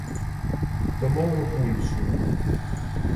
Tomoume o pulso.